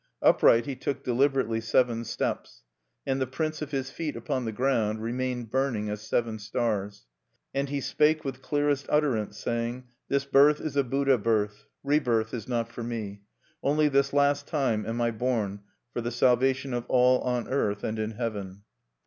Upright he took deliberately seven steps; and the prints of his feet upon the ground remained burning as seven stars. And he spake with clearest utterance, saying, "This birth is a Buddha birth. Re birth is not for me. Only this last time am I born for the salvation of all on earth and in heaven.